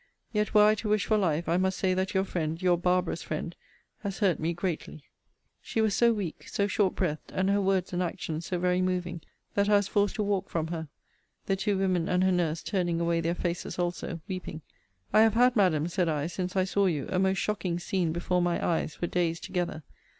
Yet were I to wish for life, I must say that your friend, your barbarous friend, has hurt me greatly. She was so weak, so short breathed, and her words and actions so very moving, that I was forced to walk from her; the two women and her nurse turning away their faces also, weeping. I have had, Madam, said I, since I saw you, a most shocking scene before my eyes for days together.